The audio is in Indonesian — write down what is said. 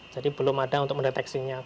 jadi belum ada untuk mendeteksinya